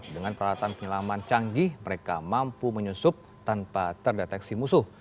dengan peralatan penyelaman canggih mereka mampu menyusup tanpa terdeteksi musuh